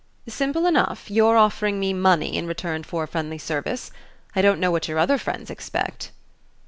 "Simple enough your offering me money in return for a friendly service? I don't know what your other friends expect!"